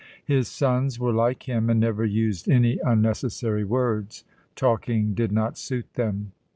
His sons were like him, and never used any unnecessary words; talking did not suit them.